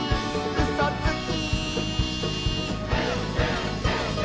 「うそつき！」